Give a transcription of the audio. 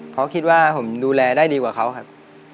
เพราะคิดว่าผมดูแลได้ดีกว่าเขาครับ